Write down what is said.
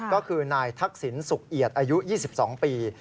ก็คือนายทักษิณสุขเอียดอายุ๒๒ปี